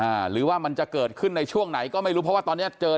หรือว่ามันจะเกิดขึ้นในช่วงไหนก็ไม่รู้เพราะว่าตอนเนี้ยเจอ